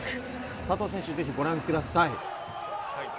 佐藤選手、ぜひご覧ください。